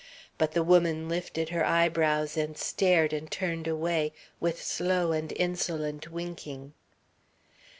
But the woman lifted her eyebrows and stared and turned away, with slow and insolent winking.